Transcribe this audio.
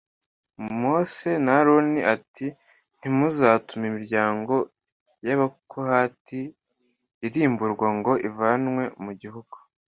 mose na aroni ati ntimuzatume imiryango y’abakohati irimburwa ngo ivanwe mu guhugu